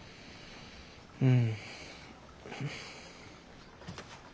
うん。